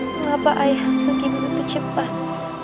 mengapa ayah begitu cepat